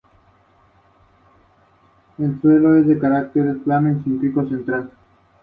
La cruz de fierro es un símbolo de la ciudad.